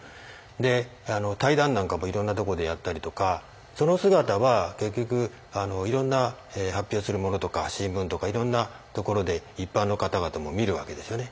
で対談なんかもいろんなとこでやったりとかその姿は結局いろんな発表するものとか新聞とかいろんなところで一般の方々も見るわけですよね。